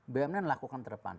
bumn lakukan terdepan